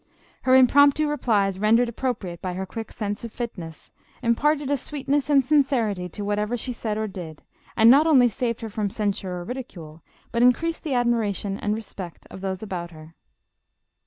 Iler impromptu replies rendered appropriate by her quick sense of fitness, im parted a sweetness and sincerity to whatever she said or did, and not only saved her from censure or ridicule, but increased the admiration and respect of those about her.